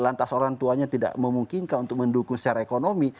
lantas orang tuanya tidak memungkinkan untuk mendukung secara ekonomi